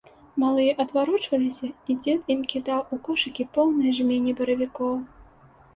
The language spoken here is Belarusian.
Малыя адварочваліся, і дзед ім кідаў у кошыкі поўныя жмені баравікоў.